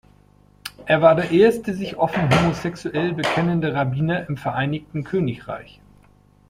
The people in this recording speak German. Er war der erste sich offen homosexuell bekennende Rabbiner im Vereinigten Königreich.